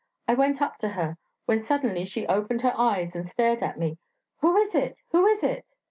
I went up to her ... when suddenly she opened her eyes and stared at me! 'Who is it? who is it?'